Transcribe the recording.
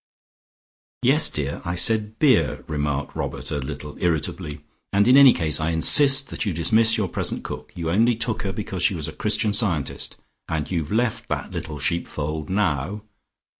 "Yes, dear, I said 'beer,'" remarked Robert a little irritably, "and in any case I insist that you dismiss your present cook. You only took her because she was a Christian Scientist, and you've left that little sheep fold now.